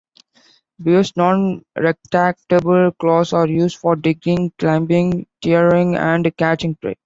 Bears' non-retractable claws are used for digging, climbing, tearing, and catching prey.